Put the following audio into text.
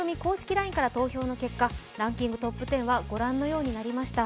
ＬＩＮＥから投票の結果、ランキングトップ１０はご覧のようになりました。